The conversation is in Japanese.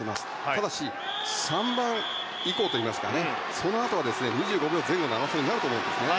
ただし、３番以降といいますかそのあとは２５秒前後の争いになると思うんですね。